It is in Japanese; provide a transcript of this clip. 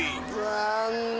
残念。